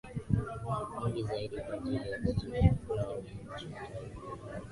nyingi zaidi kwa ajili ya jiji eneo au nchi Taarifa